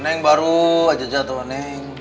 neng baru aja jatuh neng